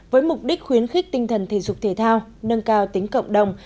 với mục đích khuyến khích tinh thần thể dục thể thao nâng cao tính cộng đồng